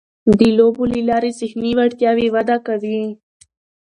د لوبو له لارې ذهني وړتیاوې وده کوي.